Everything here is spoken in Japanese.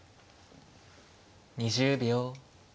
２０秒。